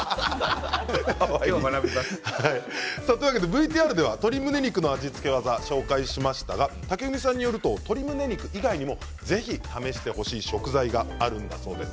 ＶＴＲでは鶏むね肉の味付け技を紹介しましたが武文さんによると鶏むね以外にもぜひ試してほしい食材があるんだそうです。